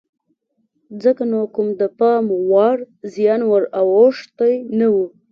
ځکه نو کوم د پام وړ زیان ور اوښتی نه و.